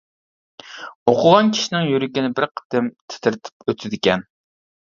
ئوقۇغان كىشىنىڭ يۈرىكىنى بىر قېتىم تىترىتىپ ئۆتىدىكەن.